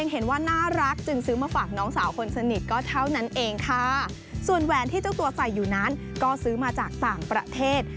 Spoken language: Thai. เห็นว่าน่ารักจึงซื้อมาฝากน้องสาวคนสนิทก็เท่านั้นเองค่ะส่วนแหวนที่เจ้าตัวใส่อยู่นั้นก็ซื้อมาจากต่างประเทศ